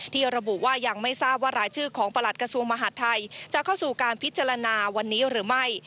ระบุว่ายังไม่ทราบว่ารายชื่อของประหลัดกระทรวงมหาดไทยจะเข้าสู่การพิจารณาวันนี้หรือไม่